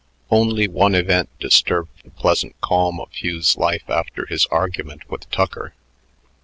Only one event disturbed the pleasant calm of Hugh's life after his argument with Tucker.